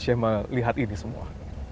syema lihat ini semua